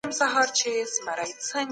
سرمايه بايد په سمه توګه وویشل سي.